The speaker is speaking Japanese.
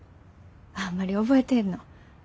あんまり覚えてへんの。